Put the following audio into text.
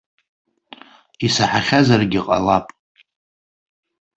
Исаҳахьазаргьы ҟалап.